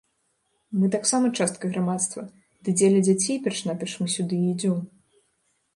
Мы таксама частка грамадства, ды дзеля дзяцей перш-наперш мы сюды і ідзём.